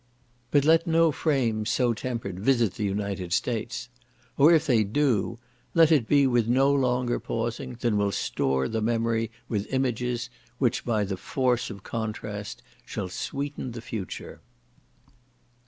But let no frames so tempered visit the United States, or if they do, let it be with no longer pausing than will store the memory with images, which, by the force of contrast, shall sweeten the future.